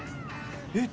「えっ？」